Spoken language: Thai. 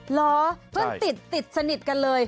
เหรอเพื่อนติดติดสนิทกันเลย